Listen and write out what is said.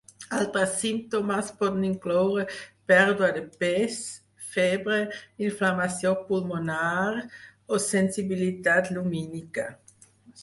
Altres símptomes poden incloure pèrdua de pes, febre, inflamació pulmonar o sensibilitat lumínica.